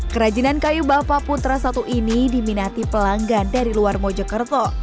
kerajinan kayu bapak putra satu ini diminati pelanggan dari luar mojokerto